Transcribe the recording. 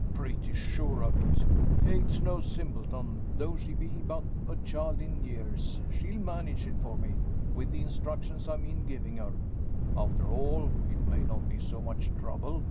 "Pretty sure of it. Kate's no simpleton, though she be but a child in years. She'll manage it for me, with the instructions I mean giving her. After all, it may not be so much trouble.